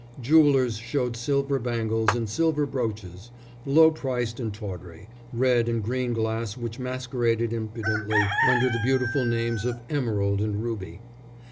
Jewellers showed silver bangles and silver brooches, low priced and tawdry, red and green glass which masqueraded impudently under the beautiful names of emerald and ruby.